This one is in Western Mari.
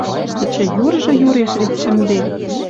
Эче юржы юреш вет чӹмде.